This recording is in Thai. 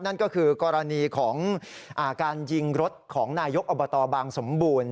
นั่นก็คือกรณีของการยิงรถของนายกอบตบางสมบูรณ์